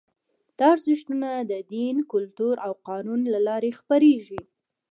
دا ارزښتونه د دین، کلتور او قانون له لارې خپرېږي.